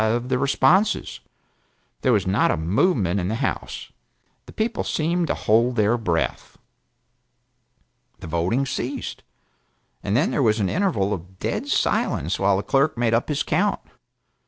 "Aye!" of the responses. There was not a movement in the House; the people seemed to hold their breath. The voting ceased, and then there was an interval of dead silence while the clerk made up his count.